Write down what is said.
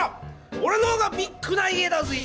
おれの方がビッグな家だぜぇ！